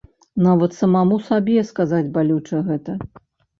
Нават самому сабе сказаць балюча гэта.